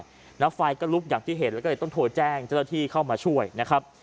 แล้วไฟก็ลุกอย่างที่เห็นแล้วก็เลยต้องโทรแจ้งเจ้าหน้าที่เข้ามาช่วยนะครับ